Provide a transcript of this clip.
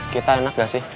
kita enak gak sih